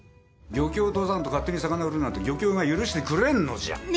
漁協を通さんと勝手に魚売るなんて漁協が許してくれんのじゃ。